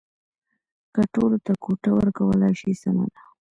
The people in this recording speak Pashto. که ټولو ته کوټه ورکولای شي سمه ده.